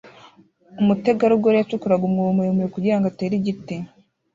Umutegarugori yacukuraga umwobo muremure kugirango atere igiti